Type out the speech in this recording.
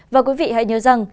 và quý vị hãy nhớ rằng